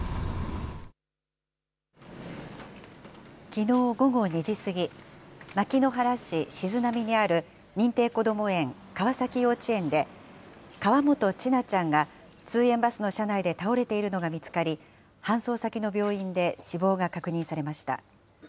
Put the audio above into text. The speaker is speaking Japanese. きのう午後２時過ぎ、牧之原市静波にある認定こども園、川崎幼稚園で、河本千奈ちゃんが通園バスの車内で倒れているのが見つかり、搬送先の病院で死亡が確認されました。